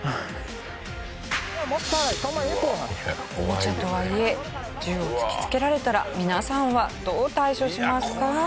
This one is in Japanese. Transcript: おもちゃとはいえ銃を突きつけられたら皆さんはどう対処しますか？